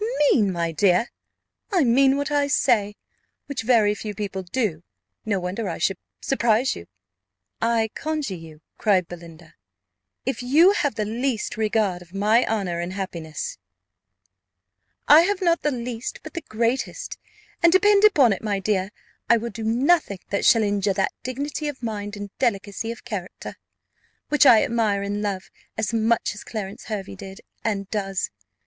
"Mean! my dear I mean what I say, which very few people do: no wonder I should surprise you." "I conjure you," cried Belinda, "if you have the least regard for my honour and happiness " "I have not the least, but the greatest; and depend upon it, my dear, I will do nothing that shall injure that dignity of mind and delicacy of character, which I admire and love, as much as Clarence Hervey did, and does.